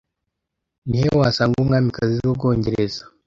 Ni he wasanga Umwamikazi w'ubwongereza